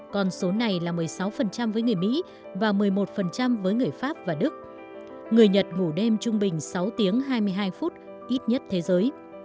con số này là một mươi sáu với người mỹ và một mươi một với người pháp và đức người nhật ngủ đêm trung bình sáu tiếng hai mươi hai phút ít nhất thế giới